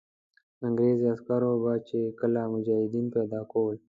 انګرېزي عسکرو به چې کله مجاهدین پیدا کول.